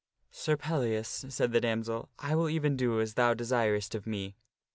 "Sir Pellias," said the damsel, "1 will even do as thou desirest of me.